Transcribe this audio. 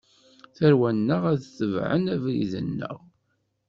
Tarwa-nneɣ ad tebɛen abrid-nneɣ.